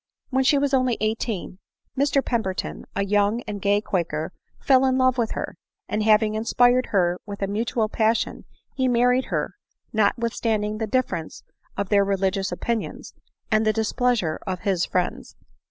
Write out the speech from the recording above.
When she was only eighteen, Mr Pemberton, a young and gay quaker, fell in love with her; and having inspired her with a mutual passion, he married her, notwithstand ing the difference of their religious opinions, and the displeasure of his friends.